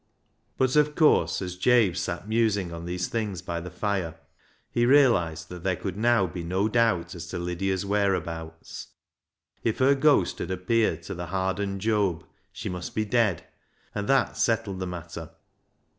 But, of course, as Jabe sat musing on these things by the fire, he realised that there could now be no doubt as to Lydia's whereabouts. If her ghost had appeared to the hardened Job, she must be dead, and that settled the matter.